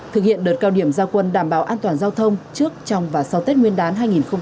thực hiện đợt cao điểm giao quân đảm bảo an toàn giao thông trước trong và sau tết nguyên đán hai nghìn hai mươi